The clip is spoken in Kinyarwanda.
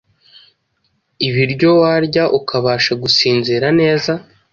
ibiryo warya ukabasha gusinzira neza.